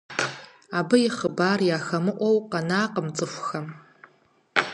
Абы и хъыбар яхэмыӀуэу къэнакъым цӀыхухэм.